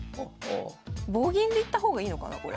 棒銀でいった方がいいのかなこれ。